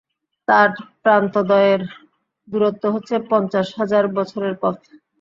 তাঁর প্রান্তদ্বয়ের দূরত্ব হচ্ছে পঞ্চাশ হাজার বছরের পথ।